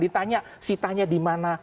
ditanya si tanya di mana